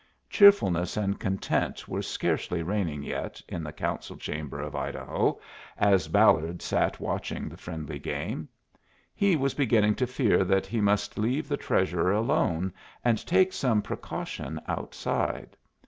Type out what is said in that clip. Cheerfulness and content were scarcely reigning yet in the Council Chamber of Idaho as Ballard sat watching the friendly game. He was beginning to fear that he must leave the Treasurer alone and take some precautions outside.